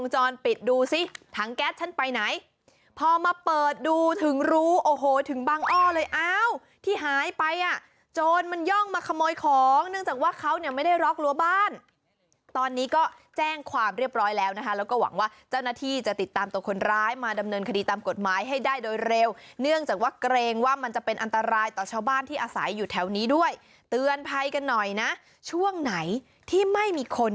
หายไปอ่ะโจรมันย่องมาขโมยของเนื่องจากว่าเขาเนี้ยไม่ได้ล็อกรั้วบ้านตอนนี้ก็แจ้งความเรียบร้อยแล้วนะคะแล้วก็หวังว่าเจ้าหน้าที่จะติดตามตัวคนร้ายมาดำเนินคดีตามกฎหมายให้ได้โดยเร็วเนื่องจากว่าเกรงว่ามันจะเป็นอันตรายต่อชาวบ้านที่อาศัยอยู่แถวนี้ด้วยเตือนภัยกันหน่อยนะช่วงไหนที่ไม